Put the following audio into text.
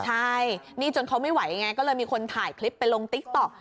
ใช่นี่จนเขาไม่ไหวไงก็เลยมีคนถ่ายคลิปไปลงติ๊กต๊อก